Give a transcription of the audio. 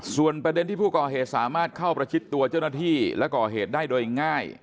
ส่วนประเด็นที่ผู้ก่อเหตุสามารถเข้าประชิดตัวเจ้าหน้าที่และก่อเหตุได้โดยง่าย